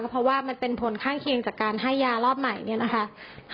เพราะว่ามันเป็นผลข้างเคียงจากการให้ยารอบใหม่เนี่ยนะคะ